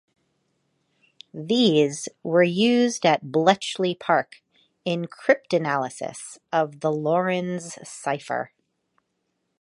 These were used at Bletchley Park in Cryptanalysis of the Lorenz cipher.